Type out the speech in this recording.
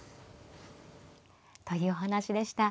というお話でした。